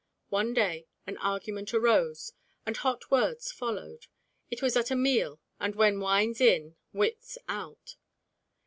One day an argument arose, and hot words followed. It was at a meal; and when wine's in, wit's out.